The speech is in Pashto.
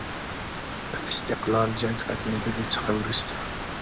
د استقلال جنګ ختمېدلو څخه وروسته.